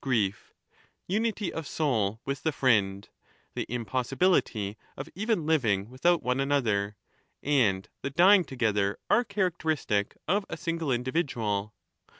1240'' ETHICA EUDEMIA 10 grief, unity of soul with the friend, the impossibility of even living without one another, and the dying together are characteristic of a single individual.